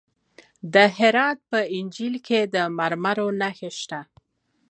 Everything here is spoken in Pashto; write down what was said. د هرات په انجیل کې د مرمرو نښې شته.